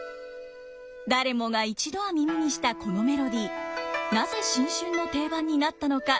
誰もが一度は耳にしたこのメロディーなぜ新春の定番になったのか？